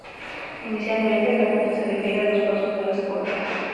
Inicialmente, la Junta se refiere a los pasos de las Cortes.